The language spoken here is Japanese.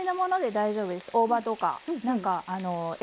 大葉とかえ